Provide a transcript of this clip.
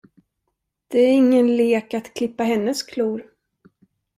Det är ingen lek att klippa hennes klor!